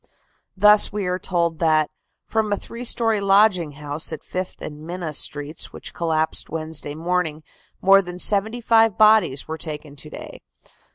Thus we are told that "from a three story lodging house at Fifth and Minna Streets, which collapsed Wednesday morning, more than seventy five bodies were taken to day.